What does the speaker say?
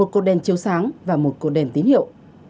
một cột đèn chiếu sáng và một cột đèn tín hiệu